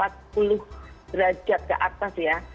empat puluh derajat ke atas ya